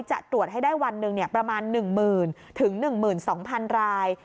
จะตรวจให้ได้วันหนึ่งเนี่ยประมาณหนึ่งหมื่นถึงหนึ่งหมื่นสองพันราย